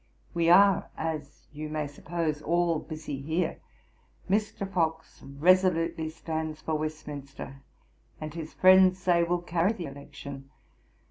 'We are, as you may suppose, all busy here. Mr. Fox resolutely stands for Westminster, and his friends say will carry the election.